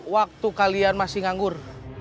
waktu kalian masih nganggur